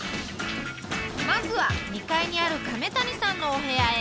まずは２階にある亀谷さんのお部屋へ！